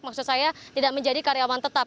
maksud saya tidak menjadi karyawan tetap